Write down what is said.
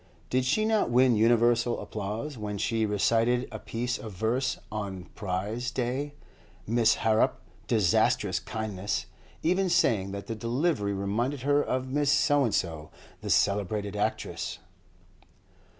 Did she not win universal applause when she recited a piece of verse on prize day—Miss Harrop (disastrous kindness!) even saying that the delivery reminded her of Mrs. ——, the celebrated actress!